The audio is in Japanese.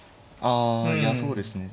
あいやそうですね。